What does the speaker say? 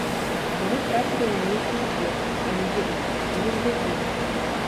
Яны трапілі на нейкі след, а не ведаюць, куды ён вядзе.